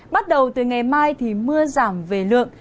bắt đầu từ ngày mai thì mưa giảm về lượng